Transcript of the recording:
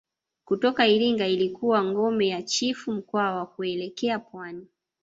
Kutoka Iringa ilikokuwa ngome ya Chifu Mkwawa kuelekea pwani